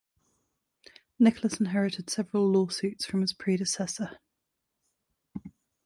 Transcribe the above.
Nicholas inherited several lawsuits from his predecessor.